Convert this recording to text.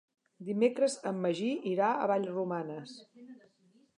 Dimecres en Magí irà a Vallromanes.